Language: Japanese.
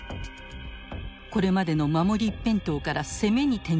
これまでの守り一辺倒から攻めに転じていきます。